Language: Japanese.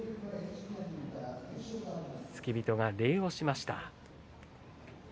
付け人が礼をしました。